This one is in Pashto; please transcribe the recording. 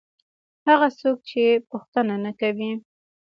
هغه څوک چې پوښتنه نه کوي.